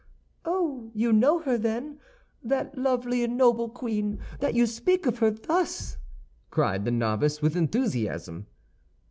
"Oh, you know her, then, that lovely and noble queen, that you speak of her thus!" cried the novice, with enthusiasm.